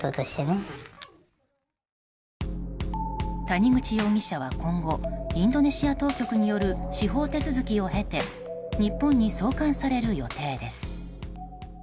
谷口容疑者は今後インドネシア当局による司法手続きを経て日本に送還される予定です。